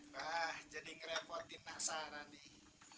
wah jadi ngerepotin nak sarah nih